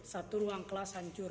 satu ruang kelas hancur